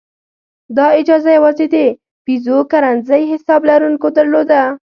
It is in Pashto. دا اجازه یوازې د پیزو کرنسۍ حساب لرونکو درلوده.